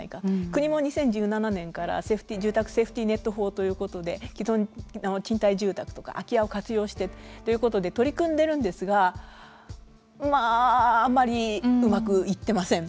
国も２０１７年から住宅セーフティネット法ということで既存の賃貸住宅とか空き家を活用してということで取り組んでるんですがまあ、あまりうまくいってません。